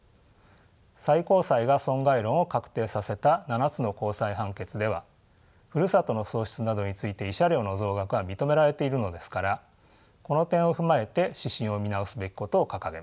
最高裁が損害論を確定させた７つの高裁判決ではふるさとの喪失などについて慰謝料の増額が認められているのですからこの点を踏まえて指針を見直すべきことを掲げました。